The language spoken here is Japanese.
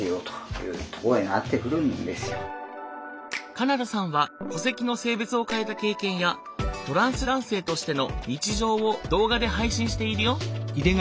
奏太さんは戸籍の性別を変えた経験やトランス男性としての日常を動画で配信しているよ。